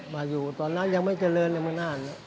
มาอยู่ตอนนั้นยังไม่เจริญในเมืองน่าน